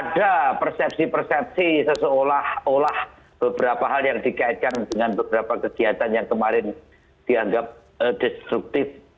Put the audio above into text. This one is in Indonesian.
ada persepsi persepsi seolah olah beberapa hal yang dikaitkan dengan beberapa kegiatan yang kemarin dianggap destruktif